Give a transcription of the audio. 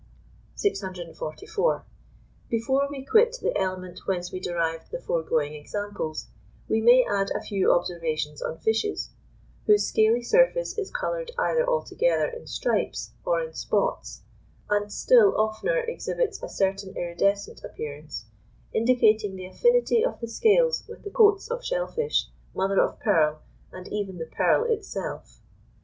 644. Before we quit the element whence we derived the foregoing examples, we may add a few observations on fishes, whose scaly surface is coloured either altogether in stripes, or in spots, and still oftener exhibits a certain iridescent appearance, indicating the affinity of the scales with the coats of shell fish, mother of pearl, and even the pearl itself.